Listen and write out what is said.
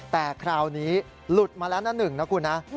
แต่คราวนี้หลุดมาแล้วนะหนึ่งนะคุณนะ